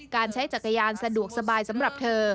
ใช้จักรยานสะดวกสบายสำหรับเธอ